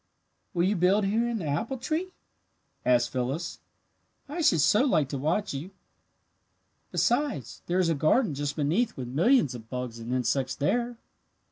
"Will you build here in the apple tree?" asked Phyllis. "I should so like to watch you. Besides, there is a garden just beneath with millions of bugs and insects there."